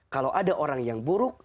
kalau ada orang yang buruk